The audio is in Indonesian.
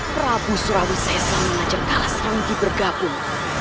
prabu surabaya saya sama dengan jendalas ranggi bergabung